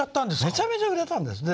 めちゃめちゃ売れたんです。